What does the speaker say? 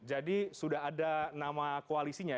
jadi sudah ada nama koalisinya